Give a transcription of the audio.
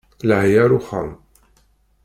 Laɛi ar uxxam!